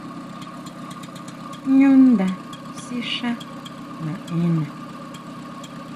Ñu nda sixá naʼena.